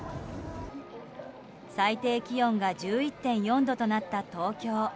最低気温が１１．４度となった東京。